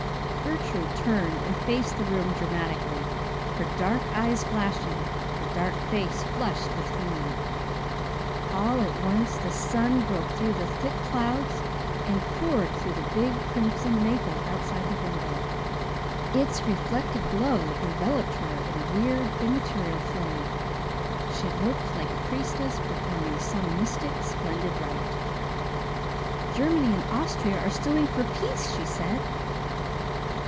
Gertrude turned and faced the room dramatically, her dark eyes flashing, her dark face flushed with feeling. All at once the sun broke through the thick clouds and poured through the big crimson maple outside the window. Its reflected glow enveloped her in a weird immaterial flame. She looked like a priestess performing some mystic, splendid rite. "Germany and Austria are suing for peace," she said.